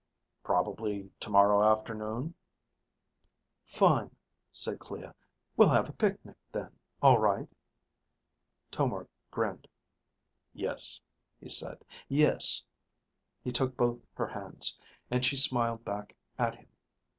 "Probably tomorrow afternoon." "Fine," said Clea. "We'll have a picnic then, all right?" Tomar grinned. "Yes," he said. "Yes." He took both her hands, and she smiled back at him.